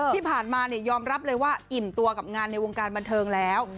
ที่ผ่านมายอมรับเลยว่าอิ่มตัวกับงานในวงการบันเทิงแล้ว